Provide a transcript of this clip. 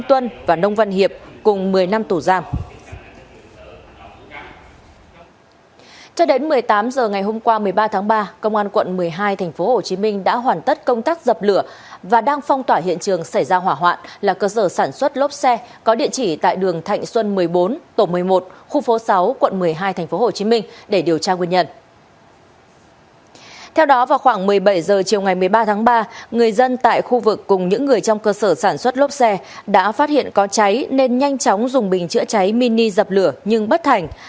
theo đó vào khoảng một mươi bảy h chiều ngày một mươi ba tháng ba người dân tại khu vực cùng những người trong cơ sở sản xuất lốp xe đã phát hiện có cháy nên nhanh chóng dùng bình chữa cháy mini dập lửa nhưng bất thành